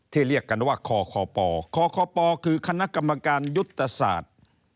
ที่เรียกกันว่าคคปคคปคือคณะกรรมการยุตสาธิ์